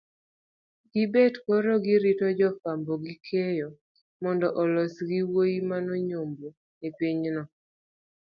gibet koro ka girito jofwambo gi keyo mondo olos gi wuoyimanoyomboepinyno